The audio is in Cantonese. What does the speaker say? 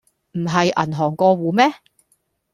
唔係銀行過戶咩?